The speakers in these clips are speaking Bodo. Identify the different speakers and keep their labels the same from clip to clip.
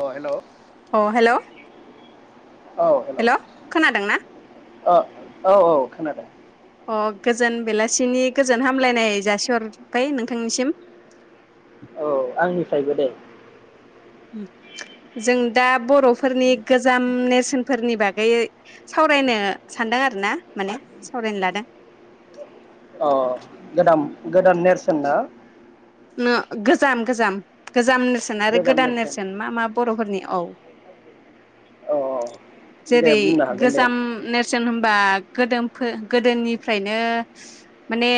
Speaker 1: अह हेल'।
Speaker 2: हेल' खोनादों ना?
Speaker 1: अ औ औ खोनादों।
Speaker 2: अ गोजोन बेलासिनि गोजोन हामलायनाय जासिहरबाय नोंथांनिसिम
Speaker 1: औ आंनिफ्रायबो दे।
Speaker 2: जों दा बर'फोरनि गोजाम नेरसोनफोरनि बागै सावरायनो सानदों आरो ना माने सावरायनो लादों
Speaker 1: अ गोदाम गोदान नेरसोन ना?
Speaker 2: न गोजाम गोजाम गोजाम सोन आरो गोदान नेरसोन मा मा बर'फोरनि औ।
Speaker 1: औ अह अह।
Speaker 2: जेरै गोजाम नेरसोन होमबा गोदोमफो गोदोनिफ्रायनो माने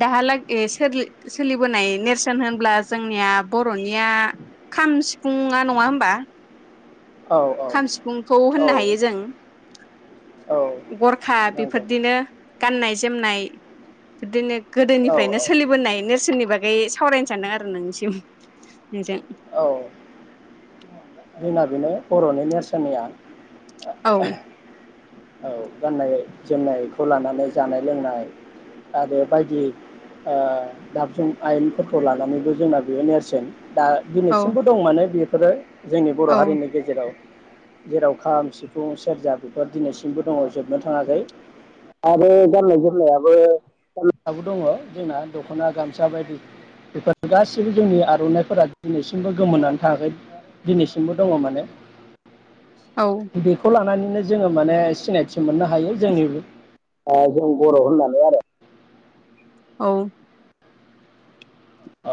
Speaker 2: दाहालागे सोल सोलिबोनाय नेरसोन होनब्ला जोंनिया बर'निया खाम सिफुुङा नङा होनबा?
Speaker 1: औ
Speaker 2: खाम सिफुंखौ होननो
Speaker 1: औ
Speaker 2: हायो जों
Speaker 1: औ
Speaker 2: गरखा
Speaker 1: नंगौ
Speaker 2: बेफोरदिनो गाननाय जोमनाय बिदिनो
Speaker 1: औ
Speaker 2: गोदोनिफ्रायनो
Speaker 1: औ
Speaker 2: सोलिबोनाय नेरसो दोनि बागै सावरायनो सानदों आरो नोंनिसिम नोंजों।
Speaker 1: जोना बेनो बर'नि नेरसोननिया
Speaker 2: औ।
Speaker 1: औ गाननाय जोमनायखौ लानानै जानाय लोंनाय आरो बायदि ओ दाबजुं आयेनफोरखौ लानानैबो जोंना बेयो नेरसोन। दा
Speaker 2: औ
Speaker 1: दिनैसिमबो दं माने बे हेल जोंनि बर'
Speaker 2: औ
Speaker 1: हारिनि गेजेराव जेराव खाम सिफुं सेरजा बेफोर दिनैसिमबो दङ जोबनो थाङाखै आरो गाननाय जोमनायाबोबो दङ जोंना दख'ना गामसा बायदि बेफोर गासिबो जोंनि आर'नाइफोरा दिनैसिमबो गोमोनानै थाङाखै दिनैसिमबो दङ माने [inaudible] बेखौ लानानै जोङो माने सिनायथि मोननो हायो जोंनिबे आ जों बर' होननानै आरो।
Speaker 2: औ।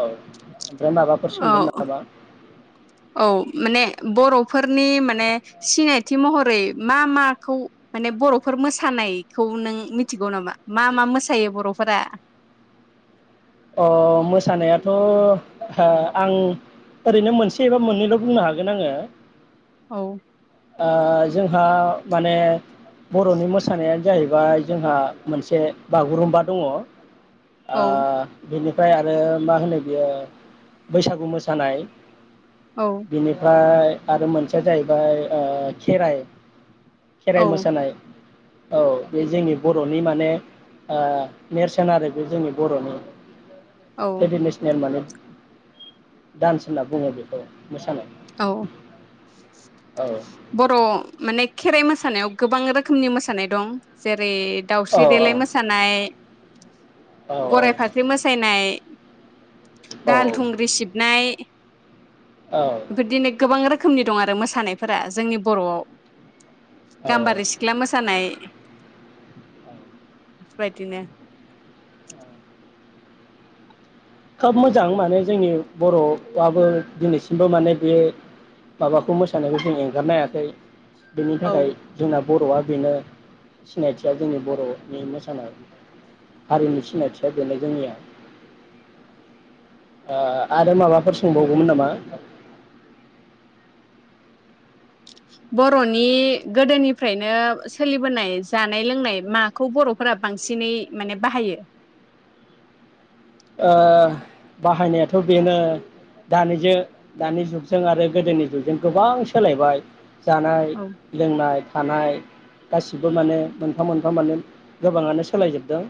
Speaker 1: औ। आरो माबाफोर
Speaker 2: औ
Speaker 1: सोंगोन नामा?
Speaker 2: औ माने बर'फोरनि माने सिनायथि महरै मा माखौ माने बर'फोर मोसानायखौ नों मिथिगौ नामा मा मा मोसायो बर'फोरा?
Speaker 1: अ मोसानायाथ' ओ आं ओरैनो मोनसे एबा मोननैल' बुंनो हागोन आङो।
Speaker 2: औ
Speaker 1: [inaudible] ओ जोंहा माने बर'नि मोसानायानो जाहै फाय जोंहा मोनसे बागुरुम्बा दङ'। आ
Speaker 2: औ
Speaker 1: बिनिफ्राय आरो मा होनो बियो बैसागु मोसानाय।
Speaker 2: औ
Speaker 1: बिनिफ्राय आरो मोनसेया जाहैबाय आ खेराइ। खेराइ
Speaker 2: औ
Speaker 1: मोसानाय। औ बे जोंनि बर'नि माने आ नेरसोन आरो बे जोंनि बर'नि।
Speaker 2: औ
Speaker 1: थ्रेदिनेसनेल माने। दान्स होनना बुङो बेखौ। मोसानाय
Speaker 2: औ
Speaker 1: [inaudible] औ
Speaker 2: बर' माने खेराइ मोसानायाव गोबां रोखोमनि मोसानाय दं जेरै
Speaker 1: औ
Speaker 2: दाउस्रि देलाय मोसानाय,
Speaker 1: औ
Speaker 2: गराय फाथ्रि मोसायनाय,
Speaker 1: औ
Speaker 2: दाल थुंग्रि सिबनाय,
Speaker 1: औ
Speaker 2: बिदिनो गोबां रोख खोमनि दं आरो मोसानाय फोरा जोंनि बर'आव
Speaker 1: औ
Speaker 2: गाम्बारि सिख्ला मोसानाय। बायदिनो [inaudible]
Speaker 1: खोब मोजां माने जोंनि बर'आबो दिनैसिमबो माने बे माबाखौ मोसानायखौ जों एंगारनो हायाखै। बेनि
Speaker 2: औ
Speaker 1: थाखाय जोंना बर'आ बेनो [inaudible] सिनायथिया जोंनि बर'नि मोसानाय हारिनि सिनायथिया बेनो जोंनिया। ओ आरो माबाफोर सोंबावगौमोन नामा?
Speaker 2: बर'नि गोदोनिफ्रायनो सोलिबोनाय जानाय लोंनाय माखौ बर'फोरा बांसिनै माने बाहायो?
Speaker 1: ओ बाहायनायाथ' बेनो दानिजो दानि जुगजों आरो गोदोनि जुगजों गोबां सोलायबाय। जानाय
Speaker 2: औ
Speaker 1: लोंनाय थानाय गासिबो माने मोनफा मोनफा माने गोबाङानो सोलायजोबदों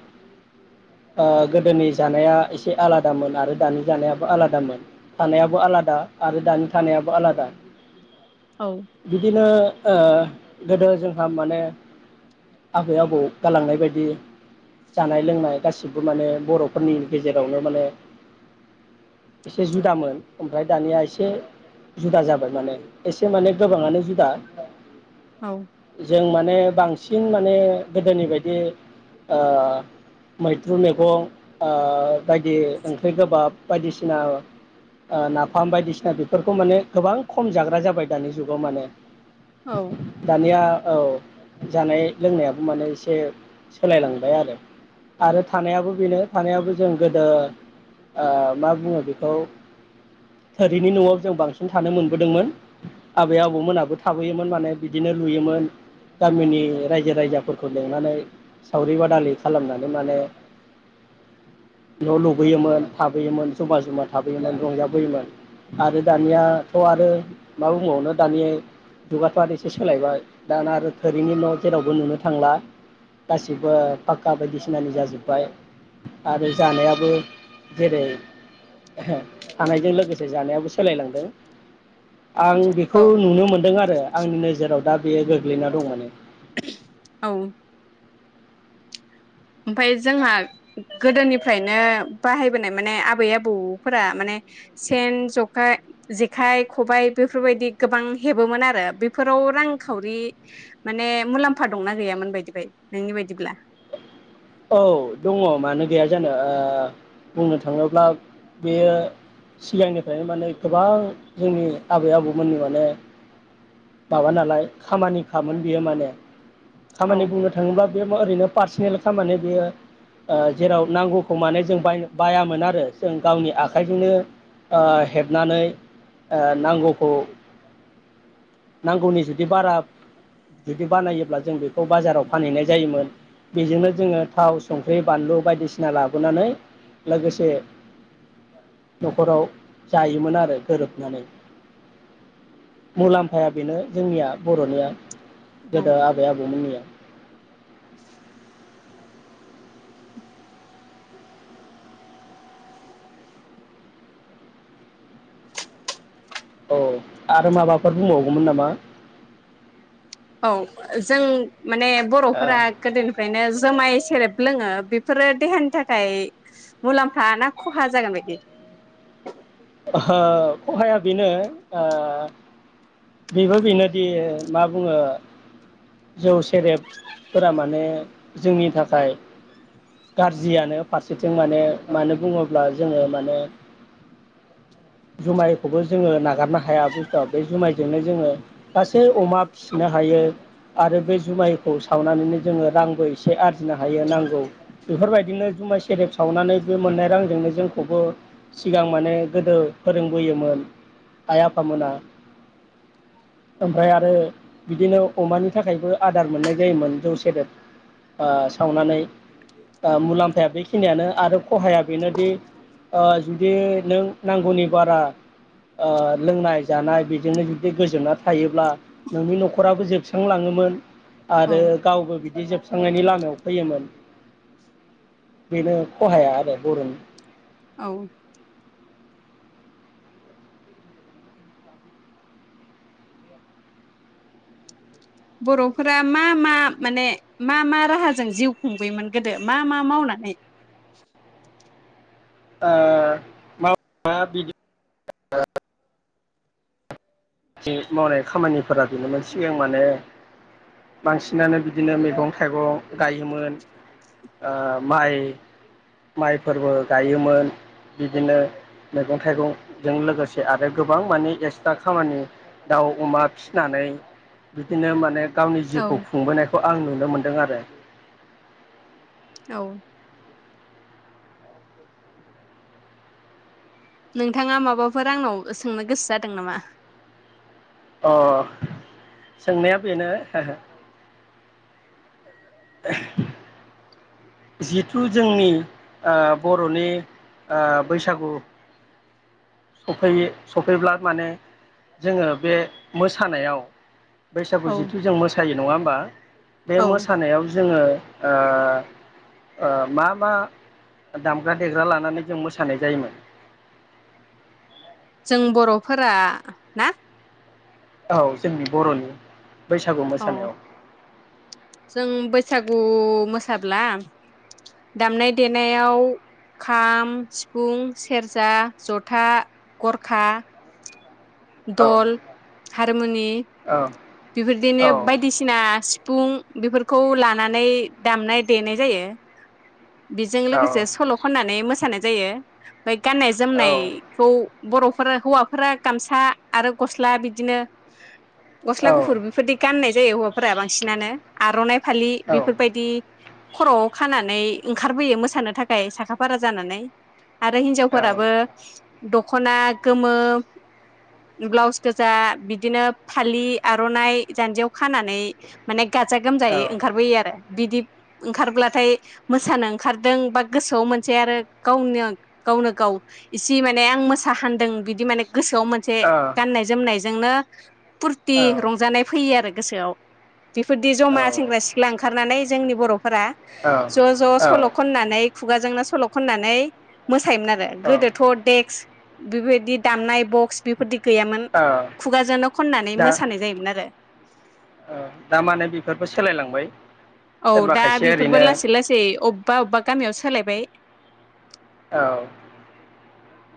Speaker 1: ओ गोदोनि जाना या एसे आलादामोन आरो दानि जानायाबो आलादामोन थानायाबो आलादा आरो दानि थानायाबो आलादा।
Speaker 2: औ
Speaker 1: बिदिनो ओ गोदो जोंहा माने आबै आबौ गालांनाय बायदि जानाय लोंनाय गासिबो माने बर' फोरनि गेजेरावनो माने एसे जुदामोन ओमफ्राय दानिया एसे जुदा जाबाय माने एसे माने गोबाङानो जुदा।
Speaker 2: औ
Speaker 1: जों मा माने बांसिन माने गोदोनि बायदि ओ मैद्रु मैगं। ओ बायदि ओंख्रि गोबाब बायदिसिना ओ नाफाम बायदिसिना बेफोरखौ माने गोबां खम जाग्रा जाबाय दानि जुगाव माने।
Speaker 2: औ
Speaker 1: दानिया। औ जानाय लोंनायाबो माने एसे सोलायलांबाय आरो आरो थानायाबो बेनो थानायाबो जों गोदो मा बुङो बेखौ थोरिनि न'आव जों बांसिन थानो मोनबोदोंमोन आबै आबौमोनाबो थाबोयोमोन माने बिदिनो लुयोमोन गामिनि रायजो राजाफोरखौ लिंनानै सावरि बादालि खालामनानै माने न' लुबोयोमोन थाबोयोमोन जमा जमा थाबोयोमोन रंजाबोयोमोन आरो दानिया थ' आरो मा बुंबावनो दानि जुगाथ' आरो एसे सोलायबाय दाना आरो थोरिनि न' जेरावबो नुनो थांला गासिबो फाखक्का बायदिसिनानि जाजोब्बाय। आरो जानायाबो जेरै थानायजों लोगोसे जानायाबो सोलायलांदों। आं बेखौ
Speaker 2: औ
Speaker 1: नुनो मोनदों आरो। आंनि नोजोराव दा बेयो गोग्लैना दं माने।
Speaker 2: औ ओमफाय जोंहा गोदोनिफ्रायनो बाहायबोनाय माने आबै आबौफोरा माने सेन जखाय जेखाइ खबायाइ बेफोरबायदि गोबां हेबोमोन आरो बेफोराव रांखावरि माने मुलाम्फा दंना गैयामोन बायदि बाय नोंनि बायदिब्ला?
Speaker 1: औ दङ मानो गैया जानो ओ बुंनो थाङोब्ला बेयो सिगांनिफ्रायनो माने गोबां जोंनि आबै आबौमोननि माने माबा नालाय खामानिखामोन बियो माने
Speaker 2: औ
Speaker 1: खामानि बुंनो थाङोब्ला बे ओरैनो पार्सनेल [inaudible] थारमाने बियो ओ जेराव नांगौखौ माने जों बायनो बायामोन आरो जों गावनि आखाइजोंनो ओ हेबनानै ओ नांगौखौ नांगौनि जुदि बारा जुदि बानायोब्ला जों बेखौ बाजाराव फानहैनाय जायोमोन बेजोंनो जोङो थाव संख्रि बानलु बायदिसिना लाबोनानै लोगोसे न'खराव जायोमोन आरो गोरोबनानै मुलाम्फाया बेनो जोंनिया बर'निया।
Speaker 2: औ
Speaker 1: गोदो आबै आबौमोननिया। औ आरो माबाफोर बुंबावगौमोन नामा?
Speaker 2: औ जों माने बर'फोरा गोदोनिफ्रायनो जुमाय सेरेब लोङो बेफोरो देहानि थाखाय मुलाम्फा ना खहा जागोन बायदि?
Speaker 1: ओ हो खहाया बेनो ओ बेबो बेनोदि मा बुङो जौ सेरेबफोरा माने जोंनि थाखाय गारज्रियानो फारसेथिं माने मानो बुङोब्ला जोंङो माने जुमायखौबो जोंङो नागारनो हाया बुस्तुआ बे जुमायजोंनो जोंङो तासै अमा फिनो हायो आरो बे जुमायखौ सावनानैनो जोङो रांबो एसे आरजिनो हायो नांगौ। बेफोरबायदिनो जुमाइ सेरेब सावनानै बे मोननाय रांजोंनो जोंखौबो सिगां माने गोदो फोरोंबोयोमोन आइ आफामोना ओमफ्राय आरो बिदिनो अमानि थाखायबो आदार मोननाय जायोमोन जौ सेरेब ओ सावनानै। ओ मुलाम्फाया बेखिनिआनो आरो खहाया बेनोदि ओ जुदि नों नांगौनि बारा ओ लोंनाय जानाय बेजोंनो जुदि गोजोमना थायोब्ला नोंनि न'खराबो जोबस्रांलाङोमोन। आरो
Speaker 2: औ
Speaker 1: गावबो बिद। दि जोबस्रांनायनि लामायाव फैयोमोन। बेनो खहाया आरो बर'नि।
Speaker 2: औ। बर'फोरा मा मा माने मा मा राहाजों जिउ खुंबोयोमोन गोदो मा मा मावनानै?
Speaker 1: ओ मावनाया बिदि। [unintelligible] हि मावनाय खामानिफोरा बेनोमोन सिगां माने बांसिनानो बिदिनो मैगं-थाइगं गायोमोन ओ माइ माइफोरबो गायोमोन बिदिनो मैगं-थाइगं जों लोगोसे आरो गोबां माने एसटाग खामानि। दाउ अमा फिनानै बिदिनो माने गावनि
Speaker 2: औ
Speaker 1: जिउखौ खुंबोनायख'। आं नुनो मोनदों आरो।
Speaker 2: औ नोंथाङा माबाफोर आंनाव सोंनो गोसो जादों नामा?
Speaker 1: अ सोंनाया बेनो ओहो। ओह। जिहिथु जोंनि ओ बर'नि ओ बैसागु सफैयो सफैब्ला माने जोङो बे मोसानायाव बैसागु
Speaker 2: औ
Speaker 1: जिथु जों मोसायो। नङा ओमबा। बे
Speaker 2: औ
Speaker 1: मोसानायाव जोङो। ओ ओ मा मा दामग्रा देग्रा लानानै जों मोसानाय जायोमोन।
Speaker 2: जों बर'फोरा ना?
Speaker 1: औ जोंनि बर'नि। बैसागु
Speaker 2: औ
Speaker 1: मोसानायाव।
Speaker 2: जों बैसागु मोसाब्ला दामनाय देनायाव खाम सिफुं सेरजा जथा गरखा।
Speaker 1: औ
Speaker 2: दल। हारमुनि।
Speaker 1: औ।
Speaker 2: बिफोरदिनो
Speaker 1: औ
Speaker 2: बायदिसिनास थिफुं बेफोरखौ लानानै दामनाय देनाय जायो। बिजों लोगोसे
Speaker 1: औ
Speaker 2: सल' खननानै मोस फाननाय जायो। बे गाननाय
Speaker 1: औ
Speaker 2: जोमनायखौ बर'फोरा हौवाफोरा गामसा आरो गस्ला बिदिनो
Speaker 1: औ
Speaker 2: गस्ला गुफुर बिफोरदि गाननायस दे हौवाफोरा बांसिनानो आर'नाइ फालि
Speaker 1: औ
Speaker 2: बिफोरबायदि। खर'आव खानानै ओंखारबोयो मोसानो थाखाय साखा फारा जानानै आरो
Speaker 1: औ
Speaker 2: हिनजावफोराबो दख'ना गोमो ब्लाउस गोजा बिदिनो फालि आर'नाइ जान्जियाव खानानै माने गाजा गोमजायै ओंखारबोयो आरो बिदि ओंखारब्लाथाय मोसानो ओंखारदों बा गोसोआव मोनसे आरो गावनो गावनो गाव इसे माने आं मोसा हान्दों बिदि माने गोसोआव मोनसे गाननाय जोमनायजोंनो [unintelligible] रंजानाय फैयो आरो गोसोआव बेफोरदि जमा सेंग्रा सिख्ला ओंखार खारनानै जोंनि बर'खौ फोरा ज' ज' सल' खननानै खुगाजोंनो सल' खननानै मोसायोमोन आरो
Speaker 1: औ
Speaker 2: गोदोथ' देक्स बेबायदि दामनाय बक्स बेफोरदि गैयामोन
Speaker 1: औ
Speaker 2: खुगाजोंनो खन्नानै
Speaker 1: दा
Speaker 2: मोसा [unintelligible]
Speaker 1: औ दा माने बेफोरखौ सोलायलांबाय
Speaker 2: औ
Speaker 1: सोरबा
Speaker 2: दा
Speaker 1: खायसेया
Speaker 2: बेफोरबो
Speaker 1: ओरैनो
Speaker 2: लासै लासै अबेबा अबेबा गामियाव सोलायबाय- बे
Speaker 1: औ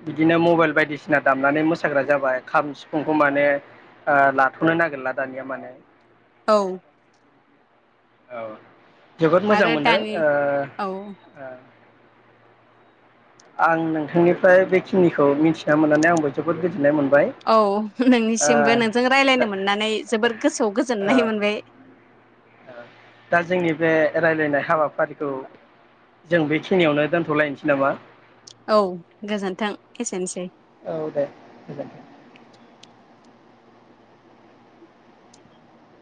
Speaker 1: बिदिनो मबाइल बायदिसिना दामनानै मोसाग्रा जाबाय खाम सिफुंखौ माने लाथ'नो नागिरला दानिया माने
Speaker 2: औ
Speaker 1: औ जोबोद मोजां
Speaker 2: आरो
Speaker 1: मोनदों
Speaker 2: दानि औ
Speaker 1: ओ आं नोंथांनिफ्राय बेखिनिखौ मिथिना मोननानै आंबो जोबोद गोजोन
Speaker 2: औ नोंनिसिमबो नोंजों
Speaker 1: दा
Speaker 2: रालायनो मोननानै जोबोर गोसोआव
Speaker 1: ओ
Speaker 2: गोजोननाय मोनबाय
Speaker 1: दा जोंनि बे रायज्लायनाय हाबाफारिखौ जों बेखिनियावनो दोनथ'लायनोसै नामा
Speaker 2: औ गोजोन्थों एसेनोसै
Speaker 1: औ दे गोजोनथों